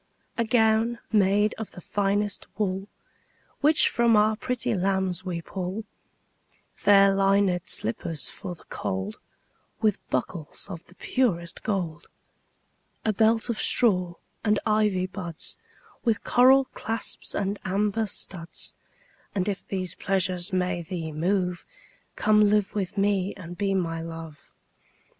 A gown made of the finest wool Which from our pretty lambs we pull; Fair linèd slippers for the cold, 15 With buckles of the purest gold. A belt of straw and ivy buds With coral clasps and amber studs: And if these pleasures may thee move, Come live with me and be my Love.